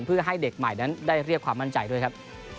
เพื่อให้เด็กใหม่นั้นได้เรียกความมั่นใจด้วยครับ